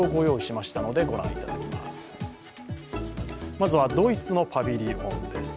まずはドイツのパビリオンです。